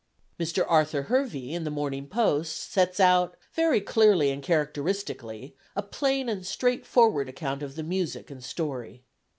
Mr. Arthur Hervey, in the Morning Post, sets out, very clearly and characteristically, a plain and straightforward account of the music and story.